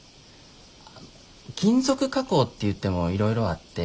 金属加工っていってもいろいろあって。